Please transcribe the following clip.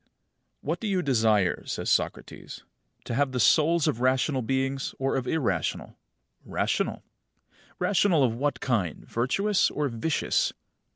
39. What do you desire? says Socrates. To have the souls of rational beings or of irrational? Rational. Rational of what kind, virtuous or vicious?